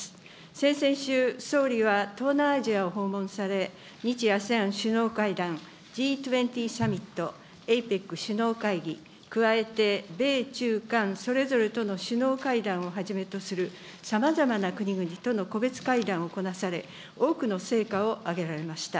先々週、総理は東南アジアを訪問され、日ＡＳＥＡＮ首脳会議、Ｇ２０サミット、ＡＰＥＣ首脳会議、加えて米中韓それぞれとの首脳会談をはじめとするさまざまな国々との個別会談をこなされ、多くの成果を上げられました。